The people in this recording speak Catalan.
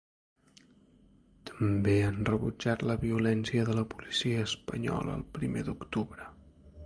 També han rebutjat la violència de la policia espanyola el primer d’octubre.